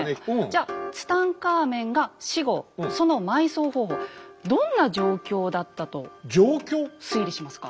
じゃツタンカーメンが死後その埋葬方法どんな状況だったと推理しますか？